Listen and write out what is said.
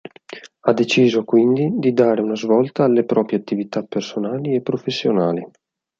Ha deciso, quindi, di dare una svolta alle proprie attività personali e professionali.